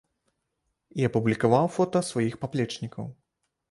І апублікаваў фота сваіх паплечнікаў.